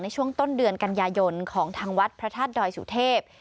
ช่วงต้นเดือนกันยายนของทางวัดพระธาตุดอยสุเทพ